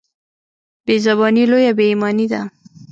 بېزباني لويه بېايماني ده.